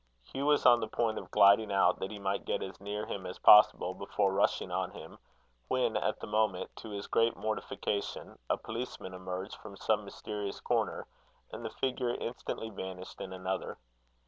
Hugh was on the point of gliding out, that he might get as near him as possible before rushing on him, when, at the moment, to his great mortification, a policeman emerged from some mysterious corner, and the figure instantly vanished in another.